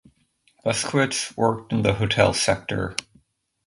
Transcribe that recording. Busquets worked in the hotel sector.